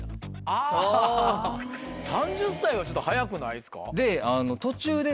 あぁ３０歳はちょっと早くないですか？